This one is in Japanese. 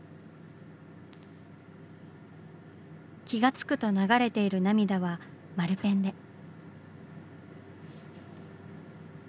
気がつくと流れている涙は丸ペンで。